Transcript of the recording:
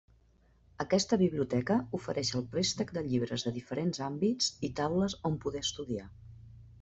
Aquesta biblioteca ofereix el préstec de llibres de diferents àmbits i taules on poder estudiar.